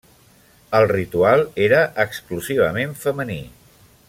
El ritual era exclusivament femení.